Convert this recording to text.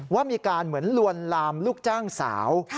ว่ามีการเหมือนลวนลามลูกจ้างสาว